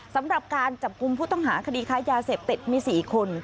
สำหรับการจับกลุ่มผู้ต้องหาคดีค้ายาเสพติดมี๔คน